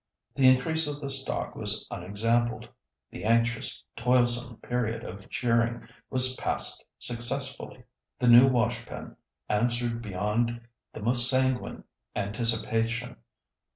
The increase of the stock was unexampled. The anxious, toilsome period of shearing was passed successfully. The new washpen answered beyond the most sanguine anticipation.